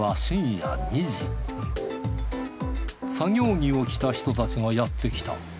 作業着を着た人たちがやってきた。